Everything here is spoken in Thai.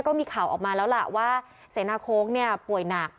ก็มีข่าวออกมาแล้วล่ะว่าเสนาโค้กป่วยหนัก